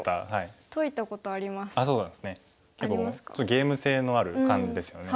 ゲーム性のある感じですよね。